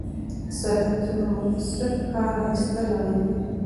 د سرچینو مؤثره کار اخیستل اړین دي.